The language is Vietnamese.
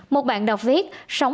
một bạn đọc viết